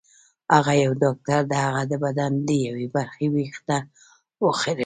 هلته یو ډاکټر د هغه د بدن د یوې برخې وېښته وخریل